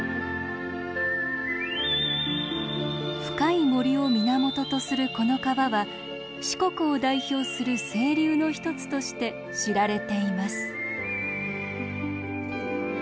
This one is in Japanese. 深い森を源とするこの川は四国を代表する清流の一つとして知られています。